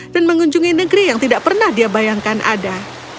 dan mengunjungi negeri yang tidak pernah dia bayangkan ada